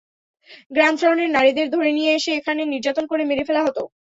গ্রাম-শহরের নারীদের ধরে নিয়ে এসে এখানে নির্যাতন করে মেরে ফেলা হতো।